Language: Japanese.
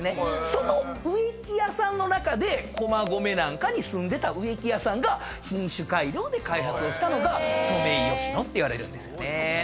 その植木屋さんの中で駒込なんかに住んでた植木屋さんが品種改良で開発をしたのがソメイヨシノっていわれるんですよね。